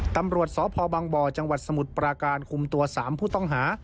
ตำรวจสพบังบ่อจังหวัดสมุทรปราการคุมตัว๓ผู้ต้องหา